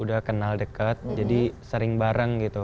udah kenal deket jadi sering bareng gitu